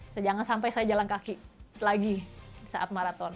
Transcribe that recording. sejangan sampai saya jalan kaki lagi saat maraton